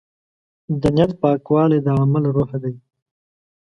د نیت پاکوالی د عمل روح دی.